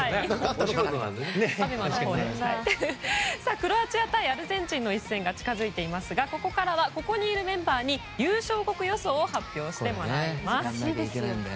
クロアチア対アルゼンチンの一戦が近づいていますがここからはここにいるメンバーに優勝国予想を発表してもらいます。